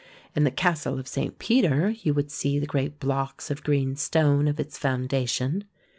In the castle of St. Peter you would see the great blocks of green stone of its foundation.